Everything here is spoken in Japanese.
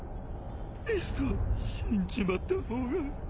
いっそ死んじまった方が。